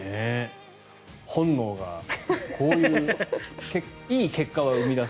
本能がこういういい結果を生み出す。